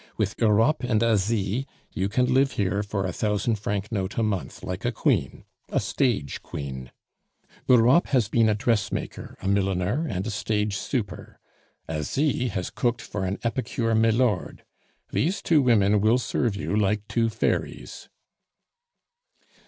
With Europe and Asie you can live here for a thousand franc note a month like a queen a stage queen. Europe has been a dressmaker, a milliner, and a stage super; Asie has cooked for an epicure Milord. These two women will serve you like two fairies."